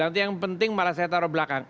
nanti yang penting malah saya taruh belakang